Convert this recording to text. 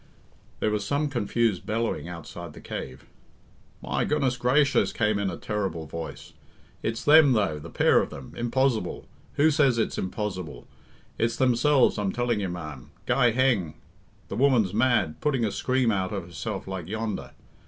There was some confused bellowing outside the cave. "My goodness grayshers!" came in a terrible voice, "it's them, though, the pair of them! Impozzible! who says it's impozzible? It's themselves I'm telling you, ma'm. Guy heng! The woman's mad, putting a scream out of herself like yonder.